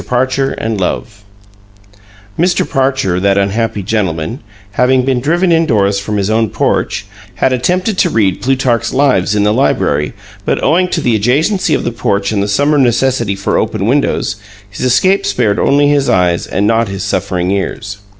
PARCHER AND LOVE Mr. Parcher, that unhappy gentleman, having been driven indoors from his own porch, had attempted to read Plutarch's Lives in the library, but, owing to the adjacency of the porch and the summer necessity for open windows, his escape spared only his eyes and not his suffering ears.